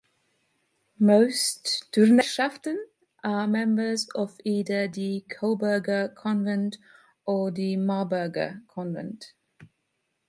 Most Turnerschaften are members of either the Coburger Convent or the Marburger Convent.